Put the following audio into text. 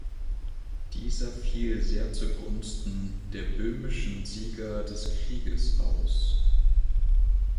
Dieser fiel sehr zugunsten der böhmischen Sieger des Krieges aus.